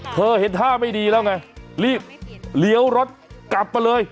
เห็นท่าไม่ดีแล้วไงรีบเลี้ยวรถกลับมาเลย